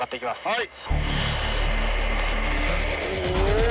はい。